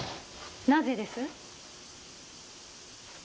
なぜです？